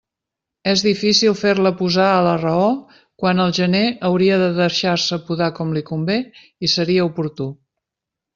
És difícil fer-la posar a la raó quan al gener hauria de deixar-se podar com li convé i seria oportú.